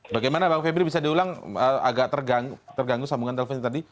bagaimana bang febri bisa diulang agak terganggu sambungan teleponnya tadi